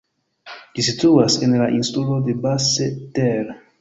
Ĝi situas en la insulo de Basse-Terre.